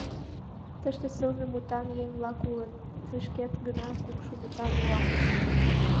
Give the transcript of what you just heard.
— Тыште сылне мутан еҥ-влак улыт, мый шкет гына кукшо мутан улам...»